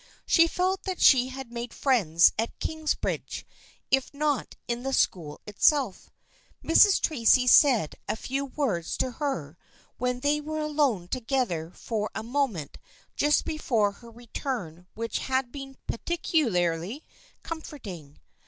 She felt that she had made friends at Kingsbridge, if not in the school itself. Mrs. Tracy said a few words to her when they were alone together for a moment just before her return which had been peculiarly comforting.